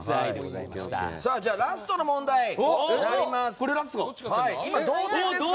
じゃあ、ラストの問題参ります。